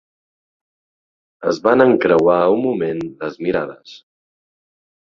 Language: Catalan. Es van encreuar un moment les mirades.